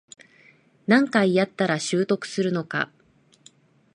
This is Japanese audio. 何回やったら習得するのか